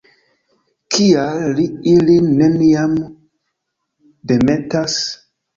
Kial li ilin neniam demetas?